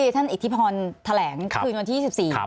อิทธิพรแถลงคืนวันที่๒๔